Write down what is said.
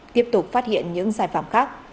tiếp tục phát hiện những sai phạm khác